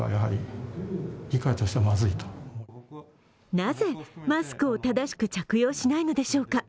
なぜマスクを正しく着用しないのでしょうか。